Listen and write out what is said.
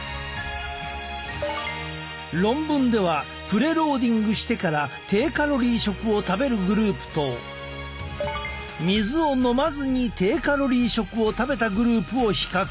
論文ではプレ・ローディングしてから低カロリー食を食べるグループと水を飲まずに低カロリー食を食べたグループを比較。